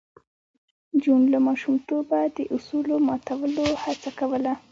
جون له ماشومتوبه د اصولو ماتولو هڅه کوله